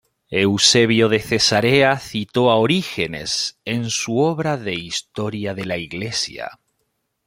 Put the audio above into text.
Eusebio de Cesarea citó a Orígenes en su obra de historia de la Iglesia.